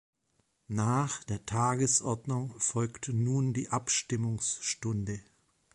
Nach der Tagesordnung folgt nun die Abstimmungsstunde.